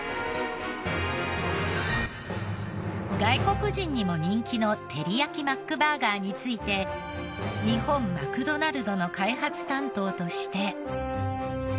外国人にも人気のてりやきマックバーガーについて日本マクドナルドの開発担当として。